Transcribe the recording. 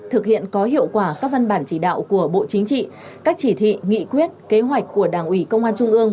thực hiện có hiệu quả các văn bản chỉ đạo của bộ chính trị các chỉ thị nghị quyết kế hoạch của đảng ủy công an trung ương